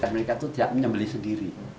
mereka itu tidak menyembeli sendiri